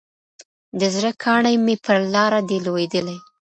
د زړه كاڼى مي پر لاره دى لــوېـدلى